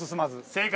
正解。